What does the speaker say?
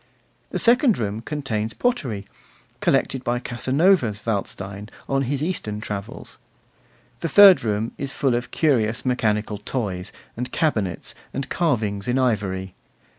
The second room contains pottery, collected by Casanova's Waldstein on his Eastern travels. The third room is full of curious mechanical toys, and cabinets, and carvings in ivory.